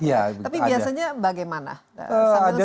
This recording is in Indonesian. tapi biasanya bagaimana